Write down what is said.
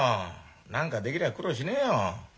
何かできりゃ苦労しねえよ。